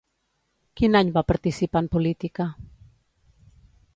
Quin any va participar en política?